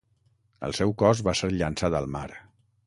El seu cos va ser llançat al mar.